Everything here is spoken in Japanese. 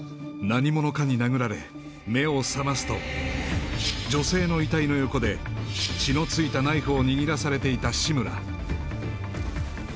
何者かに殴られ目を覚ますと女性の遺体の横で血のついたナイフを握らされていた志村